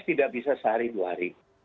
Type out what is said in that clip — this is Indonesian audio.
tidak bisa sehari dua hari